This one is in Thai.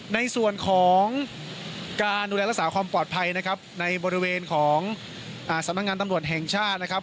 ในส่วนของการดูแลรักษาความปลอดภัยนะครับในบริเวณของสำนักงานตำรวจแห่งชาตินะครับ